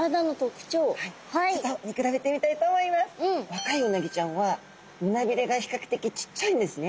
若いうなぎちゃんは胸びれが比較的ちっちゃいんですね。